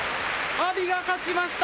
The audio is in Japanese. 阿炎が勝ちました。